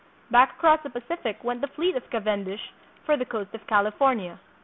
Back across the Pa cific went the fleet of Cavendish for the coast of California.